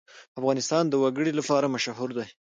افغانستان د وګړي لپاره مشهور دی.